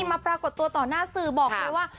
มาปรากฏตัวต่อหน้าสื่อบอกเลยว่า